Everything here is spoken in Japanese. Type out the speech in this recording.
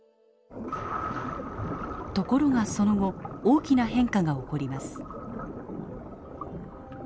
ところがその後大きな変化が起こります。